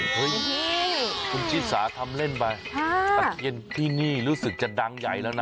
เฮ้ยคุณชิสาทำเล่นไปตะเคียนที่นี่รู้สึกจะดังใหญ่แล้วนะ